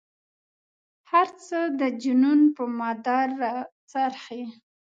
هر څه د جنون په مدار را څرخي.